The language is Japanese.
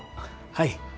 はい。